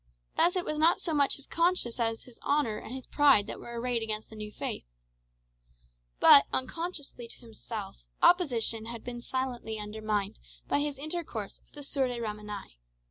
Thus it was not so much his conscience as his honour and his pride that were arrayed against the new faith. But, unconsciously to himself, opposition had been silently undermined by his intercourse with the Sieur de Ramenais.